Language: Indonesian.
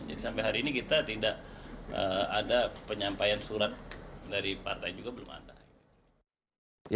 jadi sampai hari ini kita tidak ada penyampaian surat dari partai juga belum ada